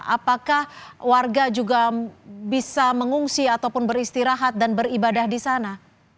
apakah warga juga bisa mengungsi ataupun beristirahat dan beribadah di sana